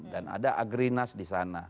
dan ada agrinas di sana